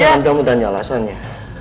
jangan kamu tanya alasannya